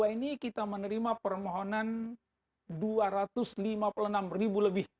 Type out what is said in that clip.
dua ribu dua puluh dua ini kita menerima permohonan rp dua ratus lima puluh enam lebih